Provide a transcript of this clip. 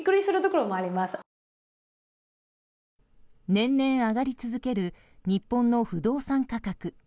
年々上がり続ける日本の不動産価格。